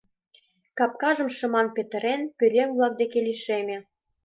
Капкажым шыман петырен, пӧръеҥ-влак деке лишеме.